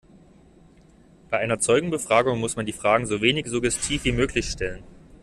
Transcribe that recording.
Bei einer Zeugenbefragung muss man die Fragen so wenig suggestiv wie möglich stellen.